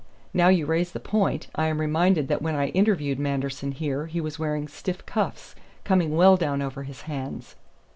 Now you raise the point, I am reminded that when I interviewed Manderson here he was wearing stiff cuffs, coming well down over his hands."